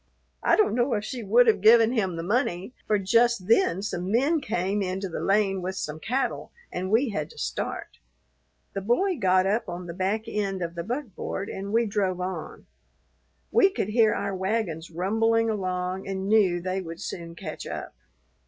I don't know if she would have given him the money, for just then some men came into the lane with some cattle and we had to start. The boy got up on the back end of the buckboard and we drove on. We could hear our wagons rumbling along and knew they would soon catch up.